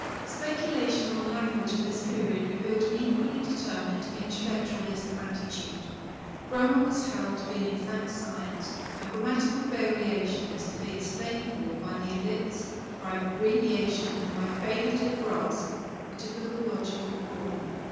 Speculation on language at this period revealed an equally determined intellectualist attitude. Grammar was held to be an exact science, and grammatical variations to be explainable by the ellipse, by abbreviation, and by failure to grasp the typical logical form.